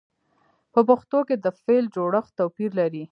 په پښتو کې د فعل جوړښت توپیر لري.